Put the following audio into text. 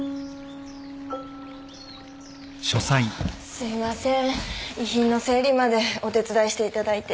すいません遺品の整理までお手伝いしていただいて。